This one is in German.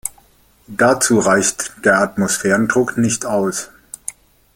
Dazu reicht der Atmosphärendruck nicht aus.